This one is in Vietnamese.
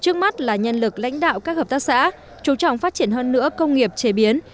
trước mắt là nhân lực lãnh đạo các hợp tác xã chú trọng phát triển hơn nữa công nghiệp chế biến